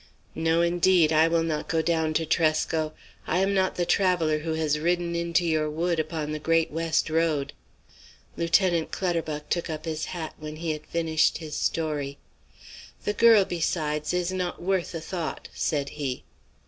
No, indeed, I will not go down to Tresco! I am not the traveller who has ridden into your wood upon the Great West Road." Lieutenant Clutterbuck took up his hat when he had finished his story, "The girl, besides, is not worth a thought," said he.